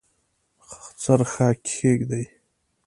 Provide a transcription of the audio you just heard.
څرخه کښیږدي